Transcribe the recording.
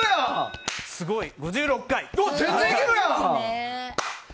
すごい！５６回。